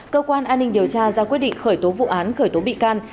cơ quan an ninh điều tra ra quyết định khởi tố vụ án khởi tố bị can